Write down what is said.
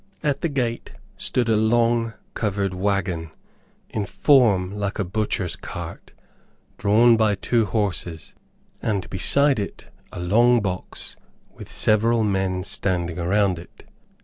At the gate stood a long covered wagon, in form like a butchers cart, drawn by two horses, and beside it a long box with several men standing around it.